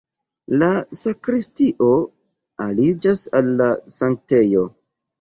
La sakristio aliĝas al la sanktejo.